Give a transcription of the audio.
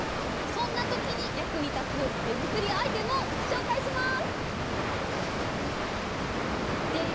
そんなときに役に立つ手作りアイテムを紹介します。